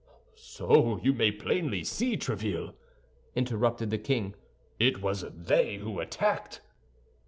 "So you may plainly see, Tréville," interrupted the king, "it was they who attacked?"